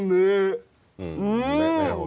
ลุงเอี่ยมอยากให้อธิบดีช่วยอะไรไหม